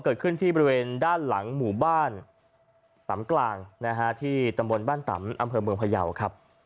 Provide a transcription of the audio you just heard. เกิดขึ้นที่บริเวณด้านหลังหมู่บ้านตำกลางนะฮะที่ตำบลบ้านตำอำเภอเมืองพยาวครับ